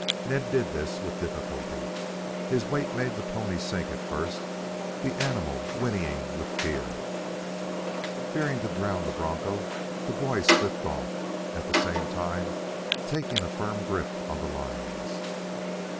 Ned did this with difficulty. His weight made the pony sink at first, the animal whinnying with fear. Fearing to drown the broncho, the boy slipped off, at the same time taking a firm grip on the lines.